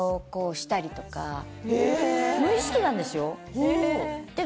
無意識なんですよ？